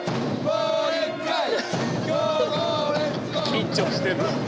緊張してる。